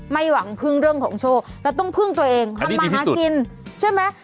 หวังพึ่งเรื่องของโชคแล้วต้องพึ่งตัวเองทำมาหากินใช่ไหม